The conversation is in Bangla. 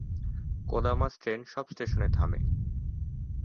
কোদামা ট্রেন সব স্টেশনে থামে।